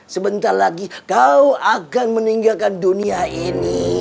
sebentar lagi kau akan meninggalkan dunia ini